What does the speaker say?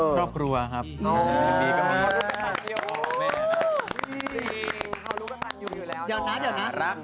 ครอบครัวค่ะอ๋อเดี๋ยวนะเดี๋ยวนะ